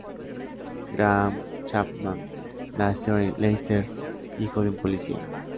Graham Chapman nació en Leicester, hijo de un policía.